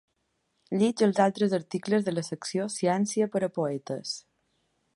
Llig els altres articles de la secció ‘Ciència per a poetes’.